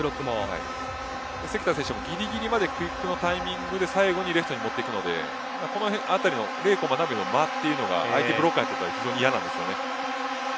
関田選手もぎりぎりまでクイックのタイミングで最後にレフトで持っていくのでこのあたりのプレーの間というのが相手ブロックとしては非常に嫌なんですね。